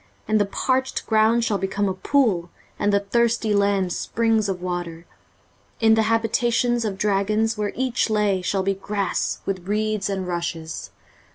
23:035:007 And the parched ground shall become a pool, and the thirsty land springs of water: in the habitation of dragons, where each lay, shall be grass with reeds and rushes.